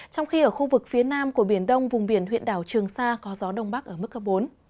trong khi ở khu vực phía nam của biển đông vùng biển huyện đảo trường sa có gió đông bắc ở mức cấp bốn